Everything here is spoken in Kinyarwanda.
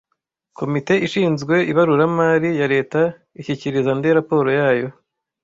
Komite ishinzwe ibaruramari ya Leta ishyikiriza nde raporo yayo